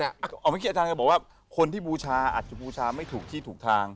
เอาไม่เครียดทางก็บอกว่าคนที่บูชาอาจจะบูชาไม่ถูกที่ถูกทาง